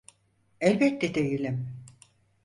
Elbette değilim.